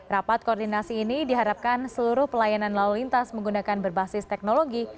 rapat koordinasi ini diharapkan seluruh pelayanan lalu lintas menggunakan berbasis teknologi